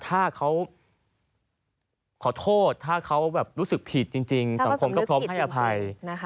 ถ้าเขาขอโทษถ้าเขารู้สึกผิดจริงสังคมก็พร้อมให้อภัย